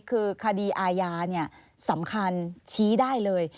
คือคดีอาญาสำคัญชี้ได้เลย